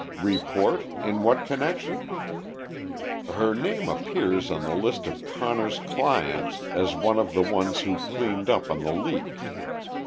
"Report? In what connection?" "Her name appears on the list of Connor's clients as one of the ones who cleaned up on the 'leak.'